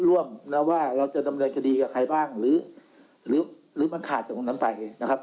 ร่วมนะว่าเราจะดำเนินคดีกับใครบ้างหรือหรือมันขาดจากตรงนั้นไปนะครับ